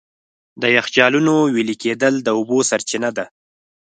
د یخچالونو وېلې کېدل د اوبو سرچینه ده.